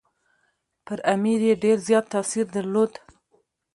پر امیر یې ډېر زیات تاثیر درلود.